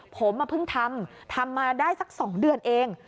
ผมเพิ่งทำทำมาได้สัก๒เดือนเอง